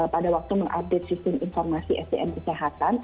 pada waktu mengupdate sistem informasi sdm kesehatan